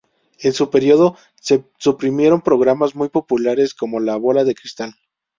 En su periodo se suprimieron programas muy populares como "La bola de cristal".